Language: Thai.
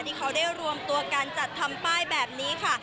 ที่เขาได้รวมตัวการจัดทำป้ายแบบนี้ค่ะ